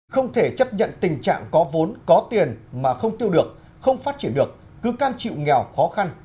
không thể chấp nhận tình trạng có vốn có tiền mà không tiêu được không phát triển được cứ can chịu nghèo khó khăn